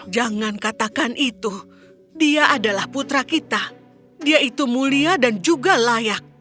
jangan katakan itu dia adalah putra kita dia itu mulia dan juga layak